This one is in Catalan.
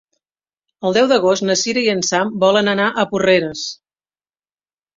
El deu d'agost na Sira i en Sam volen anar a Porreres.